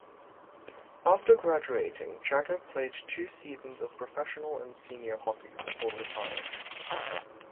After graduating Jagger played two seasons of professional and senior hockey before retiring.